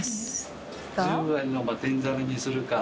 十割のか天ざるにするか。